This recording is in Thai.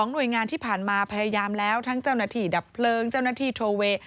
หน่วยงานที่ผ่านมาพยายามแล้วทั้งเจ้าหน้าที่ดับเพลิงเจ้าหน้าที่โทเวย์